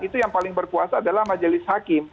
itu yang paling berkuasa adalah majelis hakim